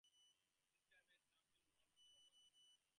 This crime has come to be known as the Rumbula massacre.